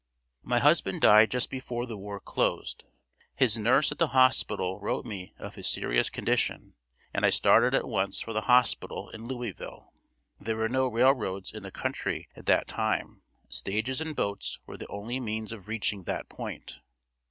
My husband died just before the war closed. His nurse at the hospital wrote me of his serious condition and I started at once for the hospital in Louisville. There were no railroads in the country at that time, stages and boats were the only means of reaching that point.